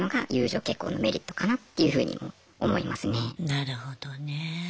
なるほどね。